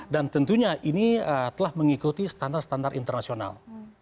dan tentunya ini telah mengikuti standar standar internasional